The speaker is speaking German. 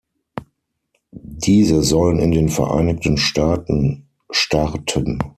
Diese sollen in den Vereinigten Staaten starten.